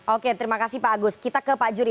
oke terima kasih pak agus kita ke pak juri